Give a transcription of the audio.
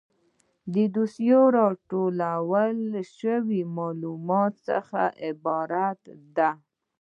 دوسیه له راټول شویو معلوماتو څخه عبارت ده.